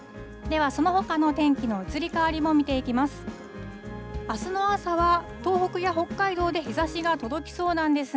では、そのほかの天気の移り変わりを見ていきます。